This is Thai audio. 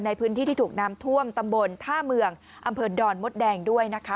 ในพื้นที่ที่ถูกน้ำท่วมตำบลท่าเมืองอำเภอดอนมดแดงด้วยนะคะ